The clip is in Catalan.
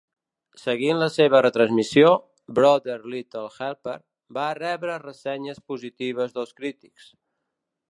Seguint la seva retransmissió, "Brother's Little Helper" va rebre ressenyes positives dels crítics.